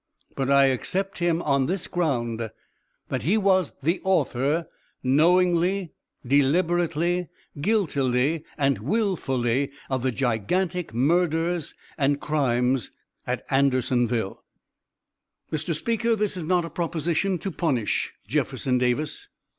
But I except him on this ground; that he was the author, knowingly, deliberately, guiltily, and willfully, of the gigantic murders and crimes at Andersonville. "Mr. Speaker, this is not a proposition to punish Jefferson Davis.